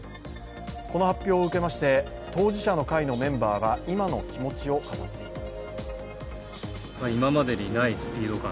この発表を受けまして、当事者の会のメンバーが今の気持ちを語っています。